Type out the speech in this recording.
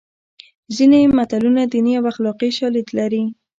ځینې متلونه دیني او اخلاقي شالید لري